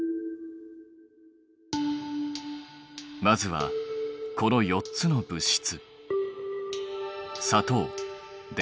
まずはこの４つの物質。